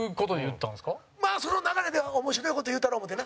さんま：まあ、その流れで面白い事、言うたろ思ってな。